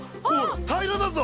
平らだぞ。